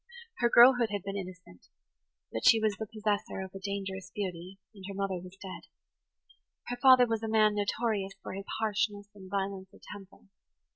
Her girlhood had been innocent; but she was the possessor of a dangerous beauty, and her mother was dead. Her father was a man notorious for his harshness and violence of temper.